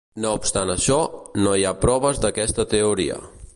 No obstant això, no hi ha proves d'aquesta teoria.